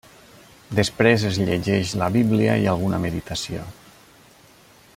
Després es llegeix la Bíblia i alguna meditació.